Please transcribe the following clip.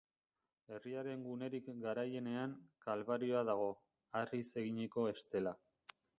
Herriaren gunerik garaienean, Kalbarioa dago, harriz eginiko estela.